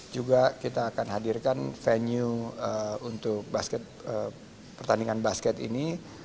juga kita akan hadirkan venue untuk pertandingan basket ini